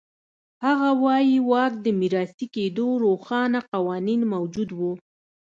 هغه وایي واک د میراثي کېدو روښانه قوانین موجود و.